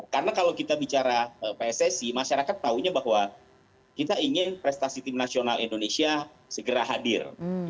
karena kalau kita bicara pssi masyarakat tahunya bahwa kita ingin prestasi tim nasional indonesia segera hadir